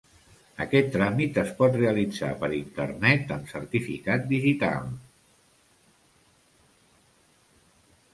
Aquest tràmit es pot realitzar per internet amb certificat digital.